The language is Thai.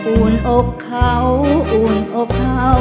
อุ่นอกเขาอุ่นอกเขา